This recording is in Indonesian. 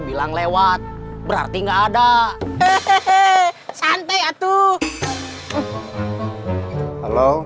darman urusan saya